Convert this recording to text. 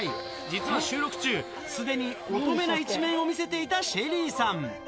実は収録中、すでに乙女な一面を見せていたＳＨＥＬＬＹさん。